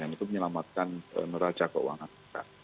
dan itu menyelamatkan neraca keuangan kita